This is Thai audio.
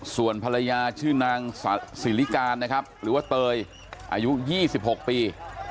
ส่วนภรรยาชื่อนางสิริการนะครับหรือว่าเตยอายุ๒๖ปี